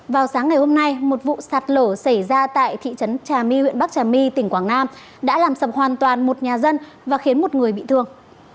vào sáng ngày hôm nay một vụ sạt lở xảy ra tại thị trấn trà my huyện bắc trà my tỉnh quảng nam đã làm sập hoàn toàn một nhà dân và khiến một người bị thương